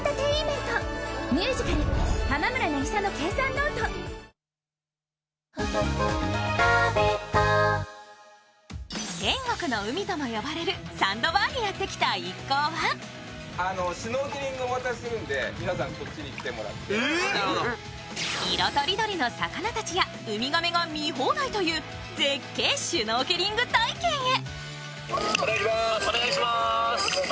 ＮＯＭＯＲＥＲＵＬＥＳＫＡＴＥ天国の海とも呼ばれるサンドバーにやってきた一行は色とりどりの魚たちやウミガメが見放題という絶景シュノーケリング体験へ。